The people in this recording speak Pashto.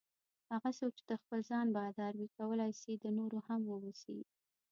هغه څوک چې د خپل ځان بادار وي کولای شي د نورو هم واوسي.